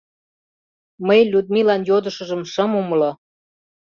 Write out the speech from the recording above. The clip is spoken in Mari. Мый Людмилан йодышыжым шым умыло.